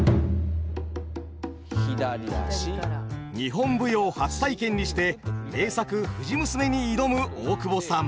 日本舞踊初体験にして名作「藤娘」に挑む大久保さん。